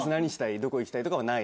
どこ行きたい？とかはない。